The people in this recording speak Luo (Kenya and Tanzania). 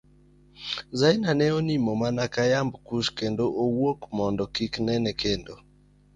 Zaina ne onimo mana ka yamb kus kendo owuok, mondo kik nene kendo.